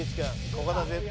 ここだ絶対。